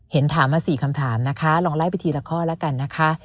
เห็นถามมา๔คำถามนะคะลองไล่ไปทีละข้อแล้วกันนะคะ